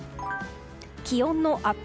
気温のアップ